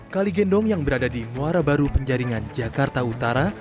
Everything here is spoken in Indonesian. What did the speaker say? kali gendong yang berada di muara baru penjaringan jakarta utara